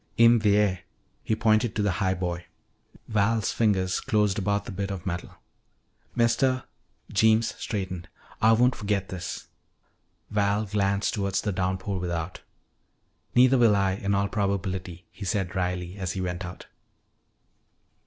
"In theah," he pointed to the highboy. Val's fingers closed about the bit of metal. "Mistuh," Jeems straightened, "Ah won't forgit this." Val glanced toward the downpour without. "Neither will I, in all probability," he said dryly as he went out.